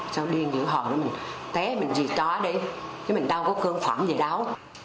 sao điên như họ tế mình gì tóa đi chứ mình đâu có cơn phẩm gì đâu